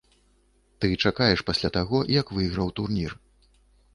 Ты чакаеш пасля таго, як выйграў турнір.